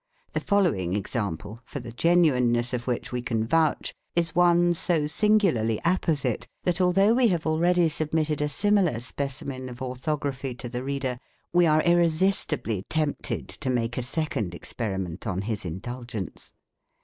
The following example, for the genuineness of which we can vouch, is one so singularly apposite, that al though we have ali'eady submitted a similar specimen of orthography to the reader, we are irresistibly tempt ed to make a second experiment on his indulgence.